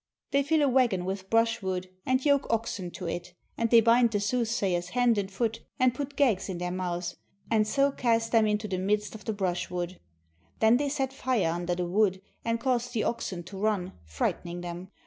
They fill a wagon with brushwood, and yoke oxen to it; and they bind the sooth sayers hand and foot, and put gags in their mouths, and so cast them into the midst of the brushwood. Then they set fire under the wood, and cause the oxen to run, fright ening them.